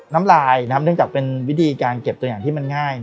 น้ำลายเนื่องจากเป็นวิธีการเก็บตัวอย่างที่มันง่าย